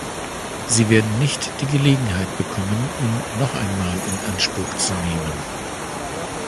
Sie werden nicht die Gelegenheit bekommen, ihn noch einmal in Anspruch zu nehmen.